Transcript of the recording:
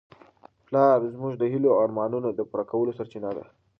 پلار زموږ د هیلو او ارمانونو د پوره کولو سرچینه ده.